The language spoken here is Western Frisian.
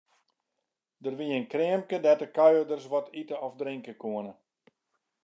Der wie in kreamke dêr't de kuierders wat ite of drinke koene.